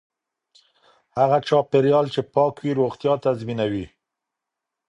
هغه چاپیریال چې پاک وي روغتیا تضمینوي.